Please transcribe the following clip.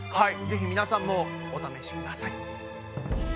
ぜひ皆さんもお試しください。